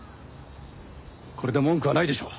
これで文句はないでしょう。